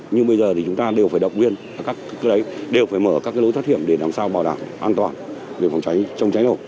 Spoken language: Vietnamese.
nhưng bây giờ thì chúng ta đều phải đọc viên đều phải mở các cái lối thoát hiểm để làm sao bảo đảm an toàn để phòng cháy trong cháy nổ